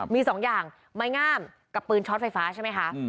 มีสองอย่างไม้งามกับปืนช็อตไฟฟ้าใช่ไหมคะ